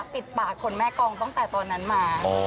ปิดปากคนแม่กองตั้งแต่ตอนนั้นมา